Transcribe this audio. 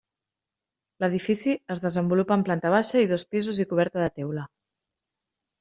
L'edifici es desenvolupa en planta baixa i dos pisos i coberta de teula.